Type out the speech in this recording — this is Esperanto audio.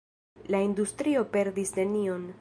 La industrio perdis nenion.